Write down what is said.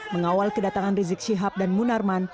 mengawal kedatangan rizik syihab dan munarman